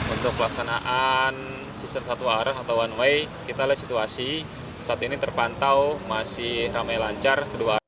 untuk pelaksanaan sistem satu arah atau one way kita lihat situasi saat ini terpantau masih ramai lancar